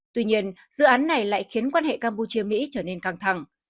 tuy nhiên dự án này lại khiến quan hệ campuchia mỹ trở nên căng thẳng